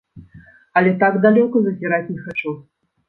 Але так далёка зазіраць не хачу.